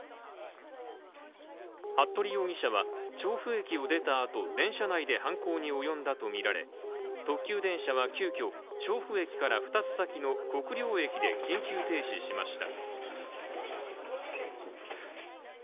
服部容疑者は調布駅を出た後、電車内で犯行に及んだとみられ、特急電車は急遽、調布駅から二つ先の国領駅で緊急停止しました。